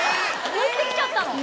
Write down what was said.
乗ってきちゃったの。